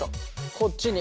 こっちに。